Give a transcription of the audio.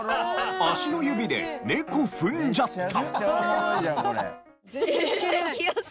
足の指で『猫ふんじゃった』。